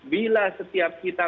bila setiap kita